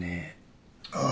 ああ。